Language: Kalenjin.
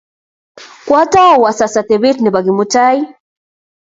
Kwatou asas atebet nebo Kimutai